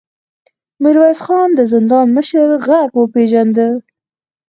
ميرويس خان د زندان د مشر غږ وپېژاند.